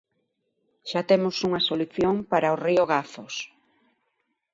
Xa temos unha solución para o río Gafos.